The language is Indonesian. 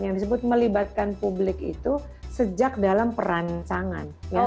yang disebut melibatkan publik itu sejak dalam perancangan